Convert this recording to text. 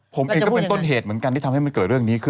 ผมเองก็เป็นต้นเหตุเหมือนกันที่ทำให้มันเกิดเรื่องนี้ขึ้น